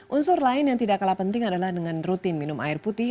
unsur lain yang tidak kalah penting adalah dengan rutin minum air putih